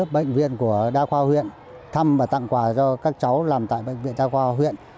bệnh viện của đa khoa huyện thăm và tặng quà cho các cháu làm tại bệnh viện đa khoa huyện